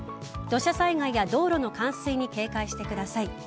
土砂災害や道路の冠水に警戒してください。